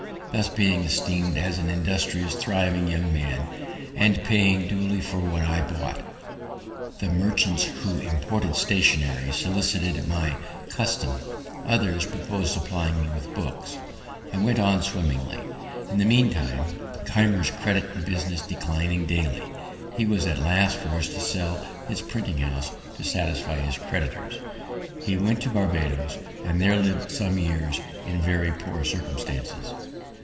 Thus being esteem'd an industrious, thriving young man, and paying duly for what I bought, the merchants who imported stationery solicited my custom; others proposed supplying me with books, and I went on swimmingly. In the meantime, Keimer's credit and business declining daily, he was at last forc'd to sell his printing house to satisfy his creditors. He went to Barbadoes, and there lived some years in very poor circumstances.